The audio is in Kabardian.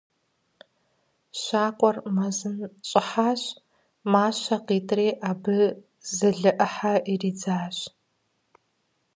Щакӏуэр мэзым щӏыхьащ, мащэ къитӏри, абы лы ӏыхьэ иридзащ.